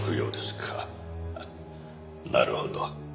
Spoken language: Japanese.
なるほど。